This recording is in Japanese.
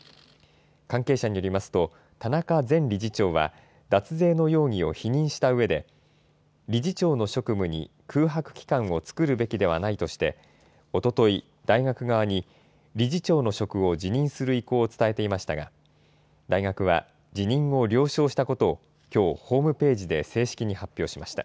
関係者によりますと、田中前理事長は、脱税の容疑を否認したうえで、理事長の職務に空白期間を作るべきではないとして、おととい、大学側に理事長の職を辞任する意向を伝えていましたが、大学は辞任を了承したことをきょう、ホームページで正式に発表しました。